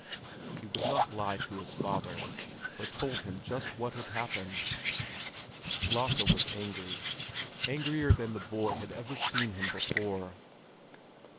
He would not lie to his father, but told him just what had happened. Lasse was angry, angrier than the boy had ever seen him before.